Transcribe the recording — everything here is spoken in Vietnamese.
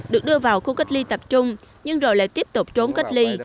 được đưa vào khu cách ly tập trung nhưng rồi lại tiếp tục trốn cách ly